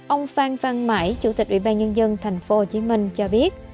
ông phan văn mãi chủ tịch ubnd tp hcm cho biết